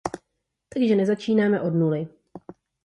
Takže nezačínáme od nuly.